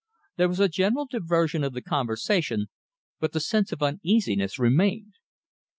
There was a general diversion of the conversation, but the sense of uneasiness remained.